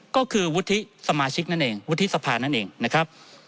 ก็คือวุฒิสมาชิกนั่นเองวุฒิสภานั่นเองนะครับ